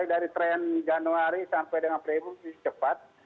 dari januari sampai dengan pre book ini cepat